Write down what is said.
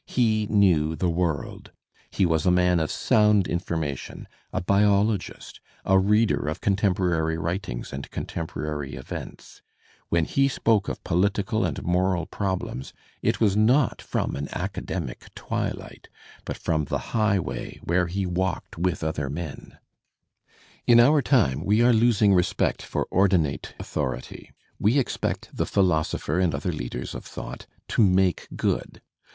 He knew the world. He was a man of sound information, a biologist, a reader of contemporaiy writings and contem porary events. When he spoke of political and moral problems it was not from an academic twilight, but from the f highway where he walked with other men. Digitized by Google ?[ 806 THE SPIRIT OF AMERICAN LITERATURE In our time we are losing respect for ordinate authority. We expect the philosopher and other leaders of thought to make good.